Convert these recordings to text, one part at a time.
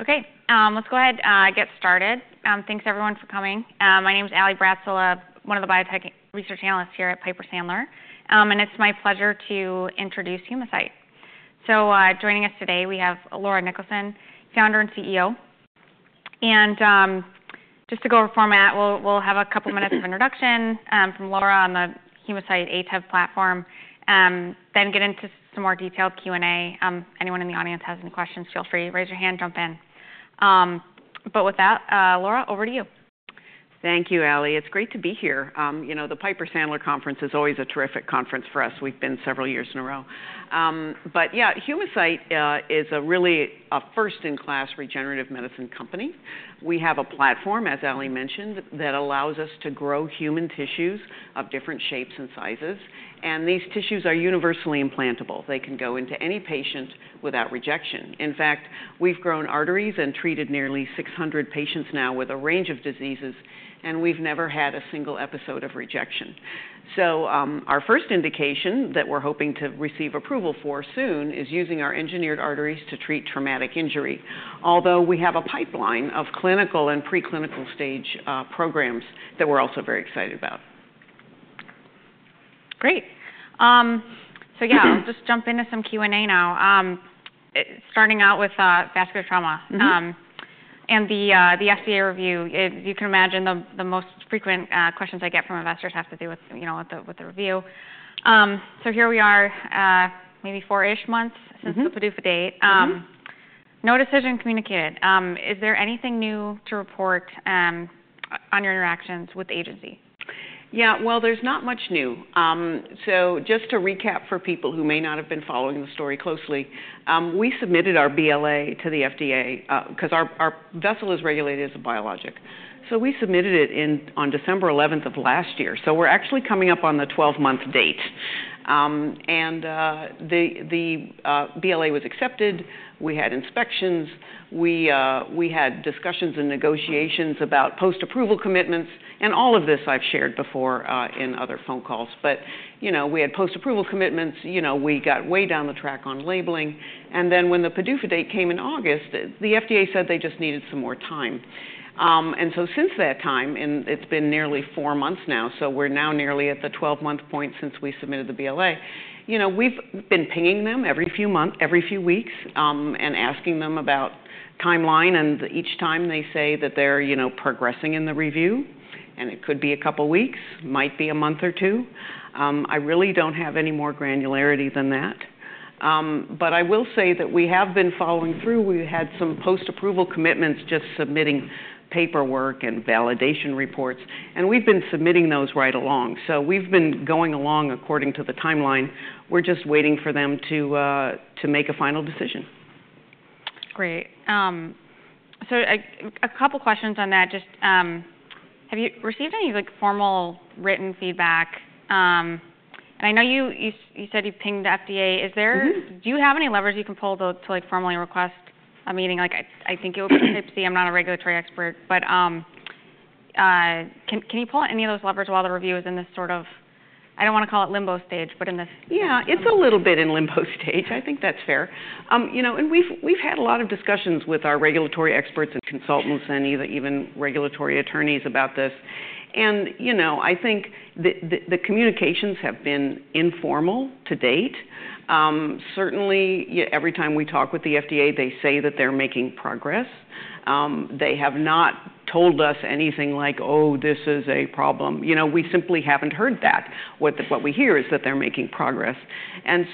Okay, let's go ahead and get started. Thanks, everyone, for coming. My name is Ally Bratzel, one of the biotech research analysts here at Piper Sandler. And it's my pleasure to introduce Humacyte. So joining us today, we have Laura Niklason, Founder and CEO. And just to go over format, we'll have a couple of minutes of introduction from Laura on the Humacyte ATEV platform, then get into some more detailed Q&A. If anyone in the audience has any questions, feel free to raise your hand, jump in. But with that, Laura, over to you. Thank you, Ally. It's great to be here. The Piper Sandler Conference is always a terrific conference for us. We've been several years in a row. But yeah, Humacyte is really a first-in-class regenerative medicine company. We have a platform, as Ally mentioned, that allows us to grow human tissues of different shapes and sizes. And these tissues are universally implantable. They can go into any patient without rejection. In fact, we've grown arteries and treated nearly 600 patients now with a range of diseases, and we've never had a single episode of rejection. So our first indication that we're hoping to receive approval for soon is using our engineered arteries to treat traumatic injury, although we have a pipeline of clinical and preclinical stage programs that we're also very excited about. Great. So yeah, I'll just jump into some Q&A now, starting out with vascular trauma. And the FDA review, as you can imagine, the most frequent questions I get from investors have to do with the review. So here we are, maybe four-ish months since the PDUFA date. No decision communicated. Is there anything new to report on your interactions with the agency? Yeah, well, there's not much new. So just to recap for people who may not have been following the story closely, we submitted our BLA to the FDA because our vessel is regulated as a biologic. So we submitted it on December 11th of last year. So we're actually coming up on the 12-month date. And the BLA was accepted. We had inspections. We had discussions and negotiations about post-approval commitments. And all of this I've shared before in other phone calls. But we had post-approval commitments. We got way down the track on labeling. And then when the PDUFA date came in August, the FDA said they just needed some more time. And so since that time, and it's been nearly four months now, so we're now nearly at the 12-month point since we submitted the BLA. We've been pinging them every few weeks and asking them about the timeline, and each time they say that they're progressing in the review, and it could be a couple of weeks, might be a month or two. I really don't have any more granularity than that, but I will say that we have been following through. We had some post-approval commitments just submitting paperwork and validation reports, and we've been submitting those right along, so we've been going along according to the timeline. We're just waiting for them to make a final decision. Great. So a couple of questions on that. Just have you received any formal written feedback? And I know you said you pinged the FDA. Do you have any levers you can pull to formally request a meeting? I think it would be Type C. I'm not a regulatory expert. But can you pull any of those levers while the review is in this sort of, I don't want to call it limbo stage, but in this? Yeah, it's a little bit in limbo stage. I think that's fair, and we've had a lot of discussions with our regulatory experts and consultants and even regulatory attorneys about this. I think the communications have been informal to date. Certainly, every time we talk with the FDA, they say that they're making progress. They have not told us anything like, oh, this is a problem. We simply haven't heard that. What we hear is that they're making progress.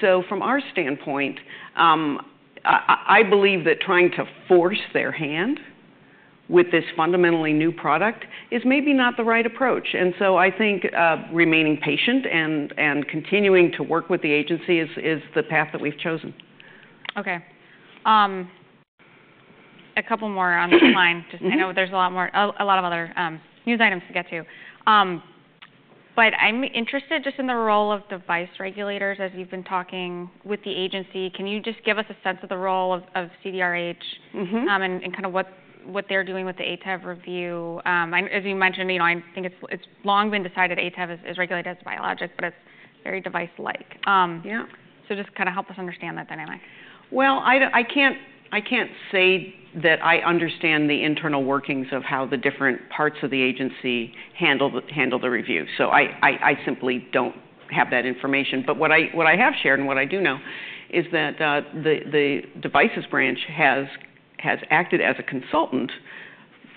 From our standpoint, I believe that trying to force their hand with this fundamentally new product is maybe not the right approach. I think remaining patient and continuing to work with the agency is the path that we've chosen. Okay. A couple more on this line. I know there's a lot of other news items to get to. But I'm interested just in the role of the FDA regulators as you've been talking with the agency. Can you just give us a sense of the role of CDRH and kind of what they're doing with the ATEV review? As you mentioned, I think it's long been decided ATEV is regulated as a biologic, but it's very device-like. So just kind of help us understand that dynamic. I can't say that I understand the internal workings of how the different parts of the agency handle the review. So I simply don't have that information. But what I have shared and what I do know is that the devices branch has acted as a consultant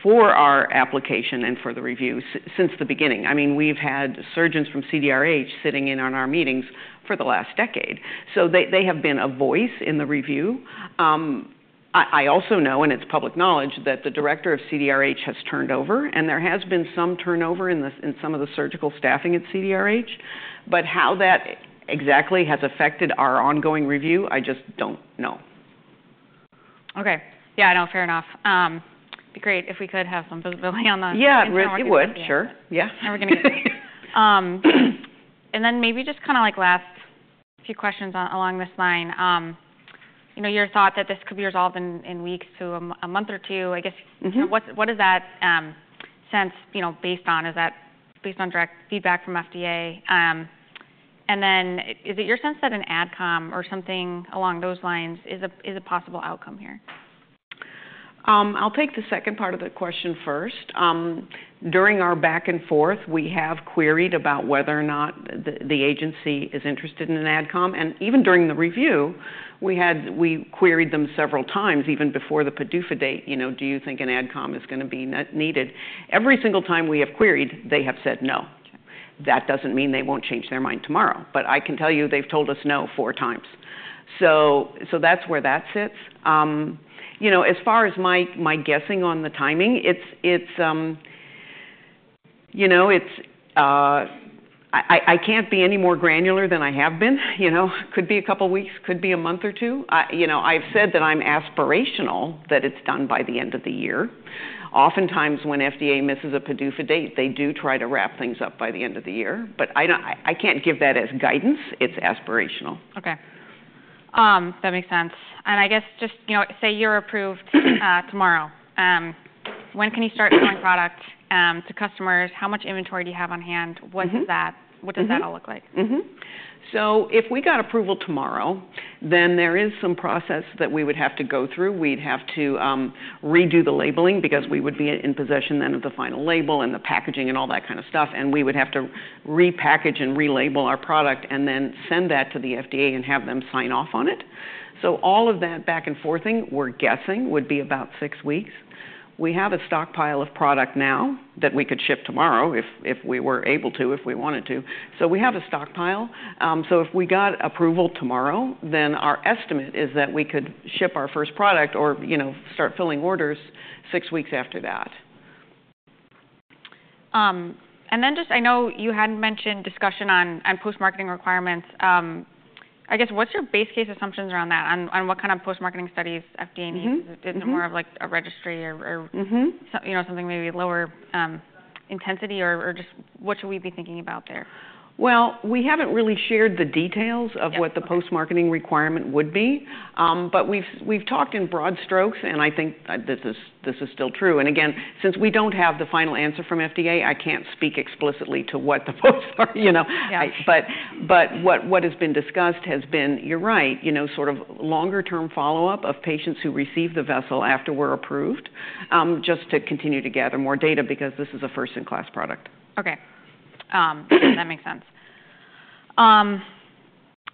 for our application and for the review since the beginning. I mean, we've had surgeons from CDRH sitting in on our meetings for the last decade. So they have been a voice in the review. I also know, and it's public knowledge, that the director of CDRH has turned over, and there has been some turnover in some of the surgical staffing at CDRH. But how that exactly has affected our ongoing review, I just don't know. Okay. Yeah, I know. Fair enough. It'd be great if we could have some visibility on the. Yeah, it would. Sure. Yeah. And then maybe just kind of like last few questions along this line. Your thought that this could be resolved in weeks to a month or two, I guess, what is that sense based on? Is that based on direct feedback from FDA? And then is it your sense that an Adcom or something along those lines is a possible outcome here? I'll take the second part of the question first. During our back and forth, we have queried about whether or not the agency is interested in an Adcom. And even during the review, we queried them several times, even before the PDUFA date, do you think an Adcom is going to be needed? Every single time we have queried, they have said no. That doesn't mean they won't change their mind tomorrow. But I can tell you they've told us no four times. So that's where that sits. As far as my guessing on the timing, I can't be any more granular than I have been. It could be a couple of weeks, could be a month or two. I've said that I'm aspirational that it's done by the end of the year. Oftentimes when FDA misses a PDUFA date, they do try to wrap things up by the end of the year, but I can't give that as guidance. It's aspirational. Okay. That makes sense, and I guess just say you're approved tomorrow. When can you start selling product to customers? How much inventory do you have on hand? What does that all look like? If we got approval tomorrow, then there is some process that we would have to go through. We'd have to redo the labeling because we would be in possession then of the final label and the packaging and all that kind of stuff. And we would have to repackage and relabel our product and then send that to the FDA and have them sign off on it. So all of that back and forthing, we're guessing, would be about six weeks. We have a stockpile of product now that we could ship tomorrow if we were able to, if we wanted to. So we have a stockpile. So if we got approval tomorrow, then our estimate is that we could ship our first product or start filling orders six weeks after that. And then just I know you had mentioned discussion on post-marketing requirements. I guess what's your base case assumptions around that? On what kind of post-marketing studies FDA needs? Is it more of like a registry or something maybe lower intensity? Or just what should we be thinking about there? We haven't really shared the details of what the post-marketing requirement would be. But we've talked in broad strokes, and I think that this is still true. And again, since we don't have the final answer from FDA, I can't speak explicitly to what the post-marketing requirement is. But what has been discussed has been, you're right, sort of longer-term follow-up of patients who receive the vessel after we're approved just to continue to gather more data because this is a first-in-class product. Okay. That makes sense.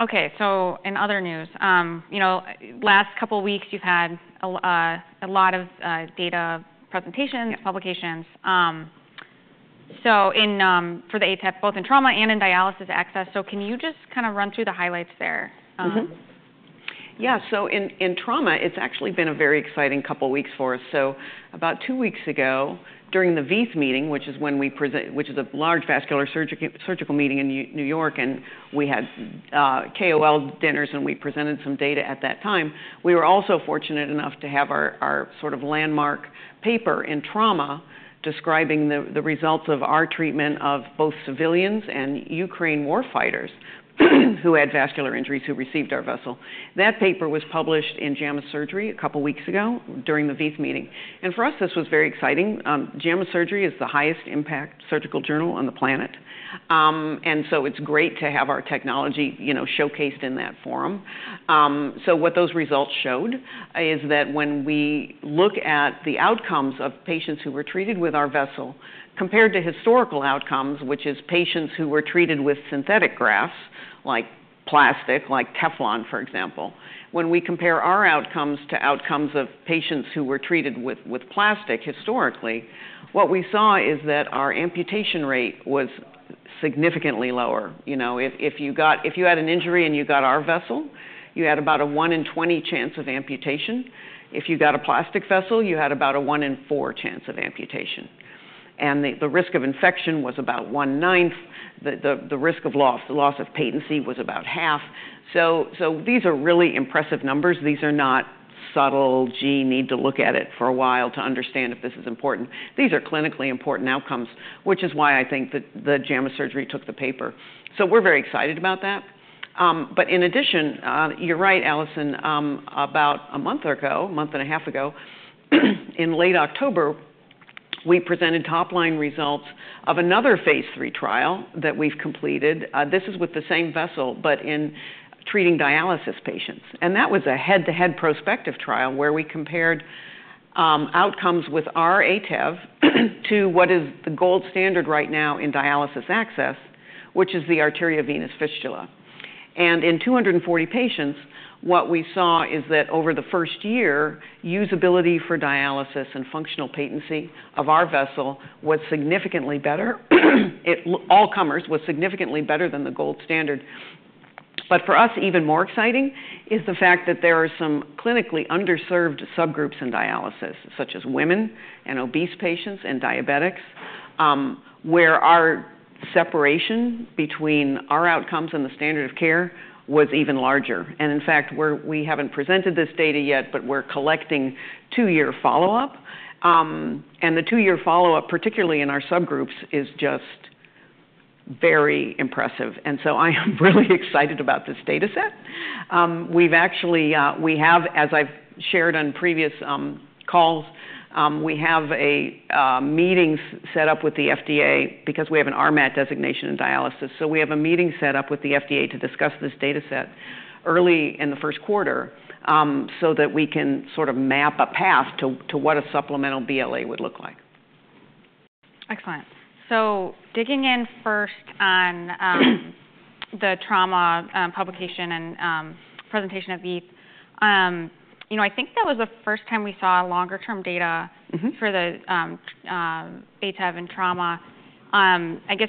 Okay, so in other news, last couple of weeks you've had a lot of data presentations, publications. So for the ATEV, both in trauma and in dialysis access. So can you just kind of run through the highlights there? Yeah. So in trauma, it's actually been a very exciting couple of weeks for us. So about two weeks ago during the VEITH meeting, which is a large vascular surgical meeting in New York, and we had KOL dinners, and we presented some data at that time. We were also fortunate enough to have our sort of landmark paper in trauma describing the results of our treatment of both civilians and Ukraine warfighters who had vascular injuries who received our vessel. That paper was published in JAMA Surgery a couple of weeks ago during the VEITH meeting. And for us, this was very exciting. JAMA Surgery is the highest impact surgical journal on the planet. And so it's great to have our technology showcased in that forum. What those results showed is that when we look at the outcomes of patients who were treated with our vessel compared to historical outcomes, which is patients who were treated with synthetic grafts like plastic, like Teflon, for example, when we compare our outcomes to outcomes of patients who were treated with plastic historically, what we saw is that our amputation rate was significantly lower. If you had an injury and you got our vessel, you had about a 1 in 20 chance of amputation. If you got a plastic vessel, you had about a 1 in 4 chance of amputation. And the risk of infection was about 1/9. The risk of loss of patency was about half. These are really impressive numbers. These are not subtle, gee, need to look at it for a while to understand if this is important. These are clinically important outcomes, which is why I think that the JAMA Surgery took the paper, so we're very excited about that, but in addition, you're right, Ally, about a month ago, a month and a half ago, in late October, we presented top-line results of another phase III trial that we've completed. This is with the same vessel, but in treating dialysis patients, and that was a head-to-head prospective trial where we compared outcomes with our ATEV to what is the gold standard right now in dialysis access, which is the arteriovenous fistula, and in 240 patients, what we saw is that over the first year, usability for dialysis and functional patency of our vessel was significantly better. All comers was significantly better than the gold standard. But for us, even more exciting is the fact that there are some clinically underserved subgroups in dialysis, such as women and obese patients and diabetics, where our separation between our outcomes and the standard of care was even larger. And in fact, we haven't presented this data yet, but we're collecting two-year follow-up. And the two-year follow-up, particularly in our subgroups, is just very impressive. And so I am really excited about this data set. We have, as I've shared on previous calls, we have a meeting set up with the FDA because we have an RMAT designation in dialysis. So we have a meeting set up with the FDA to discuss this data set early in the first quarter so that we can sort of map a path to what a supplemental BLA would look like. Excellent. So digging in first on the trauma publication and presentation of VEITH, I think that was the first time we saw longer-term data for the ATEV in trauma. I guess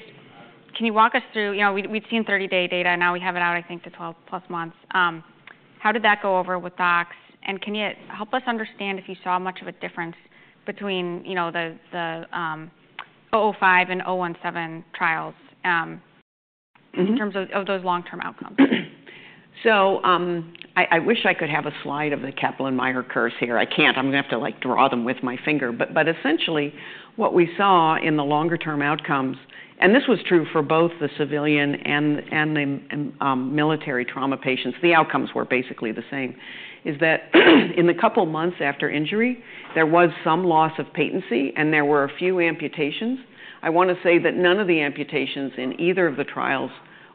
can you walk us through? We've seen 30-day data. Now we have it out, I think, to 12+ months. How did that go over with Docs? And can you help us understand if you saw much of a difference between the 005 and 017 trials in terms of those long-term outcomes? So I wish I could have a slide of the Kaplan-Meier curves here. I can't. I'm going to have to draw them with my finger. But essentially, what we saw in the longer-term outcomes, and this was true for both the civilian and the military trauma patients, the outcomes were basically the same, is that in the couple of months after injury, there was some loss of patency, and there were a few amputations. I want to say that none of the amputations in either of the trials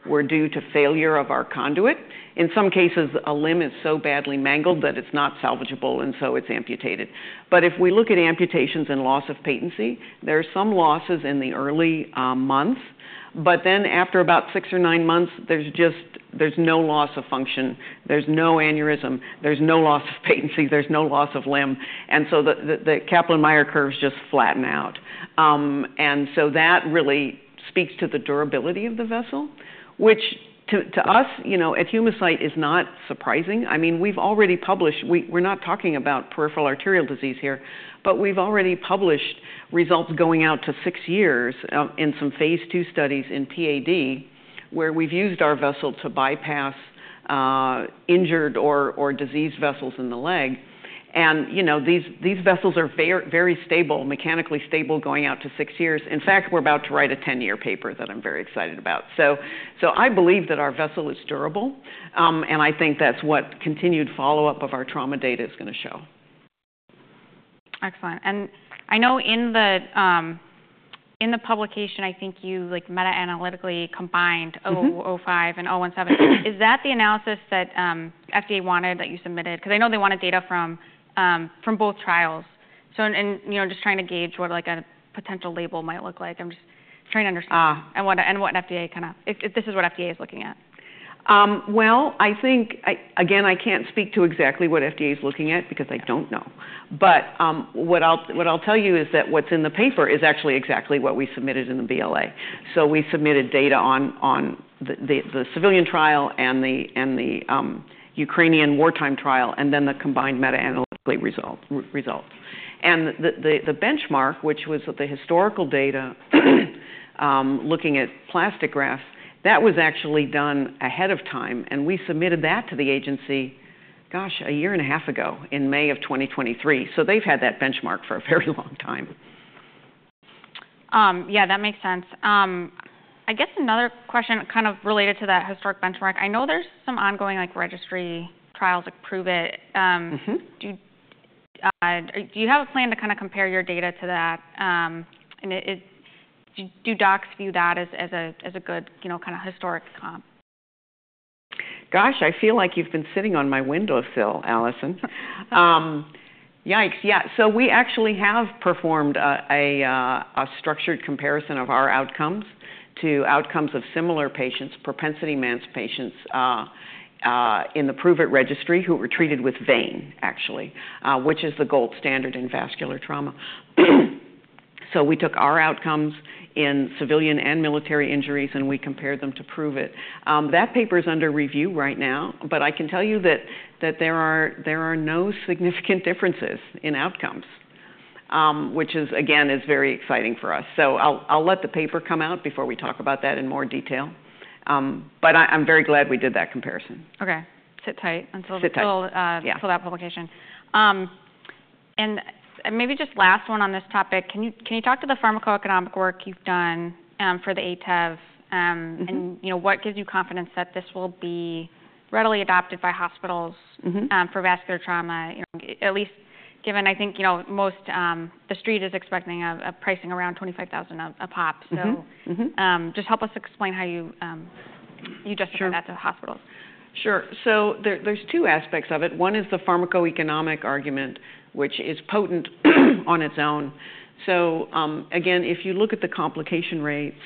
were due to failure of our conduit. In some cases, a limb is so badly mangled that it's not salvageable, and so it's amputated. But if we look at amputations and loss of patency, there are some losses in the early months. But then after about six or nine months, there's no loss of function. There's no aneurysm. There's no loss of patency. There's no loss of limb, and so the Kaplan-Meier curves just flatten out, and so that really speaks to the durability of the vessel, which to us at Humacyte is not surprising. I mean, we've already published—we're not talking about peripheral arterial disease here, but we've already published results going out to six years in some phase II studies in PAD where we've used our vessel to bypass injured or diseased vessels in the leg, and these vessels are very stable, mechanically stable going out to six years. In fact, we're about to write a 10-year paper that I'm very excited about, so I believe that our vessel is durable, and I think that's what continued follow-up of our trauma data is going to show. Excellent, and I know in the publication, I think you meta-analytically combined 005 and 017. Is that the analysis that FDA wanted that you submitted? Because I know they wanted data from both trials, so just trying to gauge what a potential label might look like. I'm just trying to understand, and what FDA kind of if this is what FDA is looking at. I think, again, I can't speak to exactly what FDA is looking at because I don't know. But what I'll tell you is that what's in the paper is actually exactly what we submitted in the BLA. So we submitted data on the civilian trial and the Ukrainian wartime trial, and then the combined meta-analytically results. And the benchmark, which was the historical data looking at plastic grafts, that was actually done ahead of time. And we submitted that to the agency, gosh, 1.5 years ago in May of 2023. So they've had that benchmark for a very long time. Yeah, that makes sense. I guess another question kind of related to that historic benchmark. I know there's some ongoing registry trials like PROOVIT. Do you have a plan to kind of compare your data to that? And do Docs view that as a good kind of historic comp? Gosh, I feel like you've been sitting on my window sill, Ally. Yikes. Yeah. So we actually have performed a structured comparison of our outcomes to outcomes of similar patients, propensity-matched patients in the PROOVIT registry who were treated with vein, actually, which is the gold standard in vascular trauma. So we took our outcomes in civilian and military injuries, and we compared them to PROOVIT. That paper is under review right now, but I can tell you that there are no significant differences in outcomes, which is, again, very exciting for us. So I'll let the paper come out before we talk about that in more detail. But I'm very glad we did that comparison. Okay. Sit tight until that publication. And maybe just last one on this topic. Can you talk to the pharmacoeconomic work you've done for the ATEV? And what gives you confidence that this will be readily adopted by hospitals for vascular trauma, at least given, I think, most the street is expecting a pricing around $25,000 a pop. So just help us explain how you justify that to hospitals. Sure. So there's two aspects of it. One is the pharmacoeconomic argument, which is potent on its own. So again, if you look at the complication rates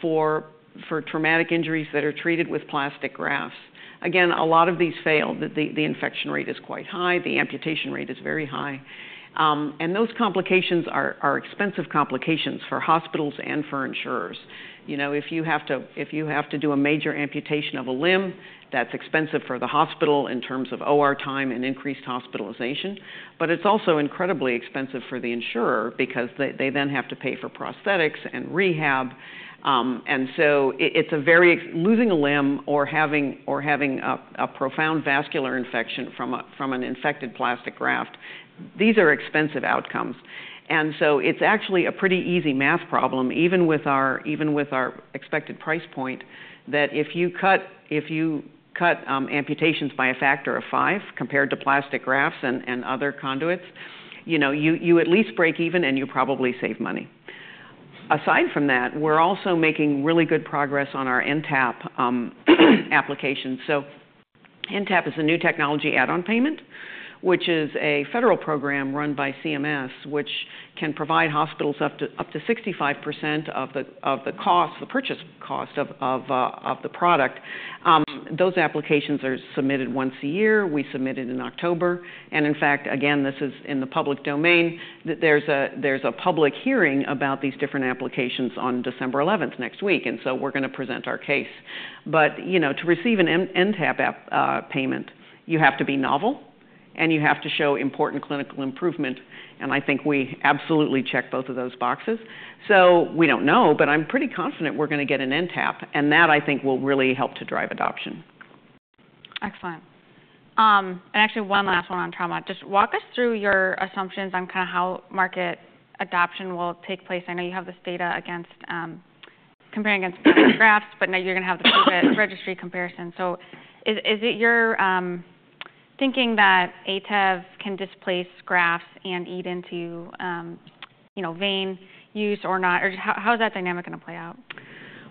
for traumatic injuries that are treated with plastic grafts, again, a lot of these fail. The infection rate is quite high. The amputation rate is very high. And those complications are expensive complications for hospitals and for insurers. If you have to do a major amputation of a limb, that's expensive for the hospital in terms of OR time and increased hospitalization. But it's also incredibly expensive for the insurer because they then have to pay for prosthetics and rehab. And so it's a very losing a limb or having a profound vascular infection from an infected plastic graft. These are expensive outcomes. And so it's actually a pretty easy math problem, even with our expected price point, that if you cut amputations by a factor of five compared to plastic grafts and other conduits, you at least break even and you probably save money. Aside from that, we're also making really good progress on our NTAP applications. So NTAP is a new technology add-on payment, which is a federal program run by CMS, which can provide hospitals up to 65% of the purchase cost of the product. Those applications are submitted once a year. We submitted in October. And in fact, again, this is in the public domain. There's a public hearing about these different applications on December 11th next week. And so we're going to present our case. But to receive an NTAP payment, you have to be novel, and you have to show important clinical improvement. And I think we absolutely check both of those boxes. So we don't know, but I'm pretty confident we're going to get an NTAP. And that, I think, will really help to drive adoption. Excellent. Actually, one last one on trauma. Just walk us through your assumptions on kind of how market adoption will take place. I know you have this data comparing against plastic grafts, but now you're going to have the PROOVIT registry comparison. So is it your thinking that ATEV can displace grafts and eat into vein use or not? Or how is that dynamic going to play out?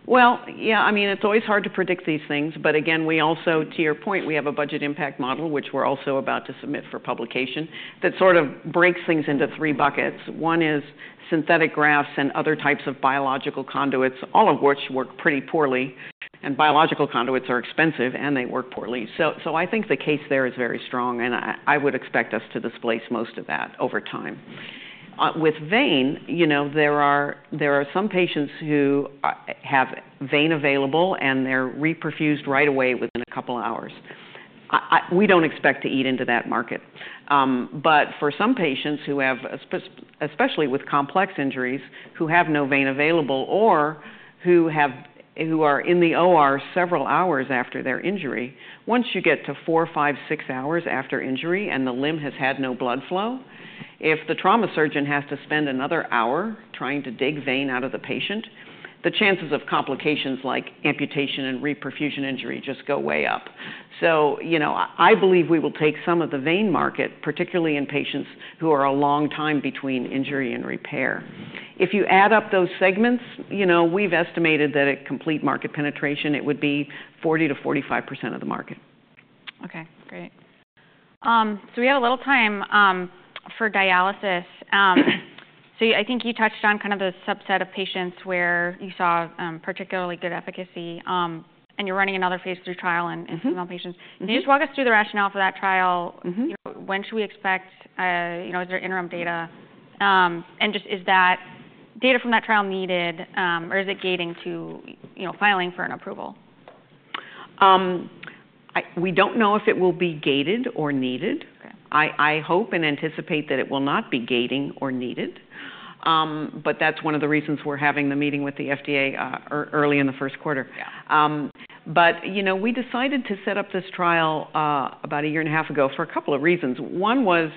Yeah, I mean, it's always hard to predict these things. But again, we also, to your point, we have a budget impact model, which we're also about to submit for publication that sort of breaks things into three buckets. One is synthetic grafts and other types of biological conduits, all of which work pretty poorly. And biological conduits are expensive, and they work poorly. So I think the case there is very strong, and I would expect us to displace most of that over time. With vein, there are some patients who have vein available, and they're reperfused right away within a couple of hours. We don't expect to eat into that market. But for some patients who have, especially with complex injuries, who have no vein available or who are in the OR several hours after their injury, once you get to four, five, six hours after injury and the limb has had no blood flow, if the trauma surgeon has to spend another hour trying to dig vein out of the patient, the chances of complications like amputation and reperfusion injury just go way up. So I believe we will take some of the vein market, particularly in patients who are a long time between injury and repair. If you add up those segments, we've estimated that at complete market penetration, it would be 40%-45% of the market. Okay. Great. So we have a little time for dialysis. So I think you touched on kind of the subset of patients where you saw particularly good efficacy, and you're running another phase III trial in female patients. Can you just walk us through the rationale for that trial? When should we expect? Is there interim data? And just is that data from that trial needed, or is it gating to filing for an approval? We don't know if it will be gated or needed. I hope and anticipate that it will not be gating or needed. But that's one of the reasons we're having the meeting with the FDA early in the first quarter. But we decided to set up this trial about a year and a half ago for a couple of reasons. One was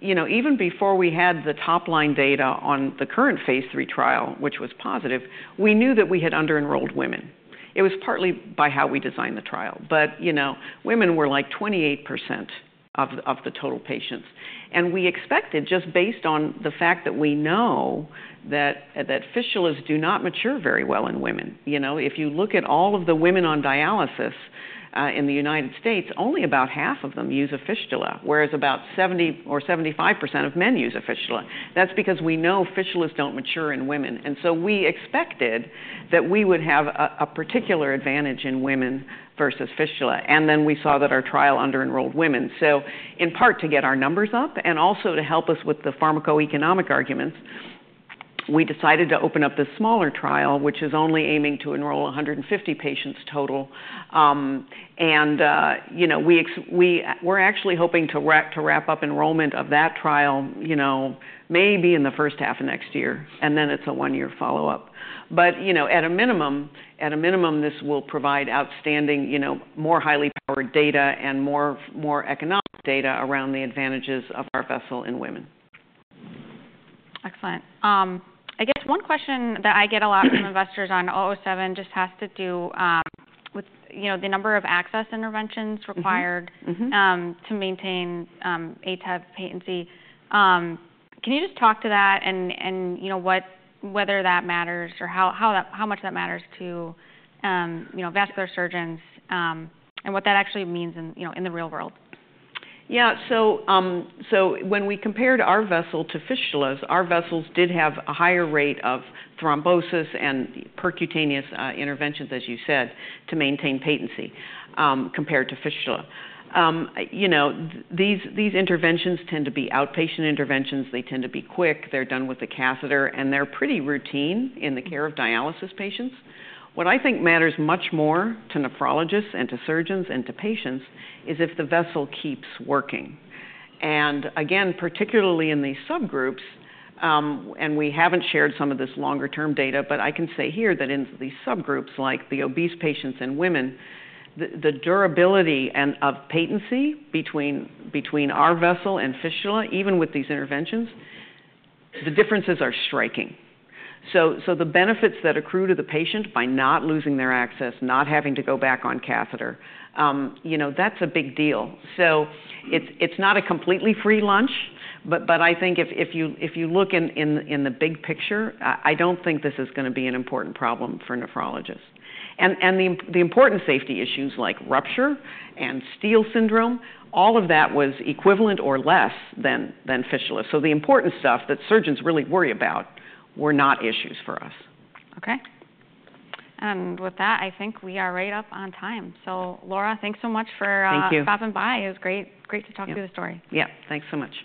even before we had the top-line data on the current phase III trial, which was positive. We knew that we had under-enrolled women. It was partly by how we designed the trial. But women were like 28% of the total patients. And we expected, just based on the fact that we know that fistulas do not mature very well in women. If you look at all of the women on dialysis in the United States, only about half of them use a fistula, whereas about 70% or 75% of men use a fistula. That's because we know fistulas don't mature in women, and so we expected that we would have a particular advantage in women versus fistula, and then we saw that our trial under-enrolled women, so in part to get our numbers up and also to help us with the pharmacoeconomic arguments, we decided to open up this smaller trial, which is only aiming to enroll 150 patients total, and we're actually hoping to wrap up enrollment of that trial maybe in the first half of next year, and then it's a one-year follow-up, but at a minimum, this will provide outstanding, more highly powered data and more economic data around the advantages of our vessel in women. Excellent. I guess one question that I get a lot from investors on 007 just has to do with the number of access interventions required to maintain ATEV patency. Can you just talk to that and whether that matters or how much that matters to vascular surgeons and what that actually means in the real world? Yeah. So when we compared our vessel to fistulas, our vessels did have a higher rate of thrombosis and percutaneous interventions, as you said, to maintain patency compared to fistula. These interventions tend to be outpatient interventions. They tend to be quick. They're done with a catheter, and they're pretty routine in the care of dialysis patients. What I think matters much more to nephrologists and to surgeons and to patients is if the vessel keeps working. And again, particularly in these subgroups, and we haven't shared some of this longer-term data, but I can say here that in these subgroups, like the obese patients and women, the durability of patency between our vessel and fistula, even with these interventions, the differences are striking. So the benefits that accrue to the patient by not losing their access, not having to go back on catheter, that's a big deal. So it's not a completely free lunch, but I think if you look in the big picture, I don't think this is going to be an important problem for nephrologists. And the important safety issues like rupture and steal syndrome, all of that was equivalent or less than fistula. So the important stuff that surgeons really worry about were not issues for us. Okay. And with that, I think we are right up on time. So Laura, thanks so much for stopping by. It was great to talk through the story. Yeah. Thanks so much.